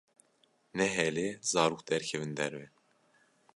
Nehêle zarok derkevin derve.